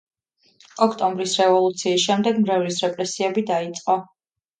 ოქტომბრის რევოლუციის შემდეგ მრევლის რეპრესიები დაიწყო.